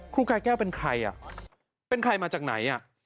กายแก้วเป็นใครอ่ะเป็นใครมาจากไหน